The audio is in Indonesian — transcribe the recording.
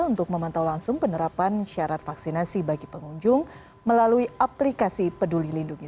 untuk memantau langsung penerapan syarat vaksinasi bagi pengunjung melalui aplikasi peduli lindungi